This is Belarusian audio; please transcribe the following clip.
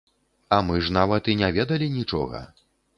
А мы ж нават і не ведалі нічога.